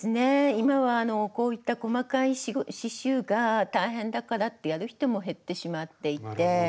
今はこういった細かい刺しゅうが大変だからってやる人も減ってしまっていて。